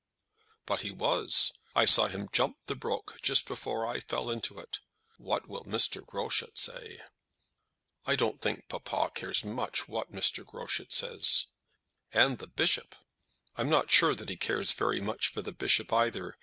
"But he was. I saw him jump the brook just before I fell into it. What will Mr. Groschut say?" "I don't think papa cares much what Mr. Groschut says." "And the Bishop?" "I'm not sure that he cares very much for the Bishop either.